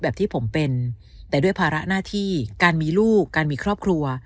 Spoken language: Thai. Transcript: แบบที่ผมเป็นแต่ด้วยภาระหน้าที่การมีลูกการมีครอบครัว